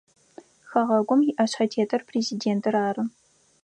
Хэгъэгум иӏэшъхьэтетыр президентыр ары.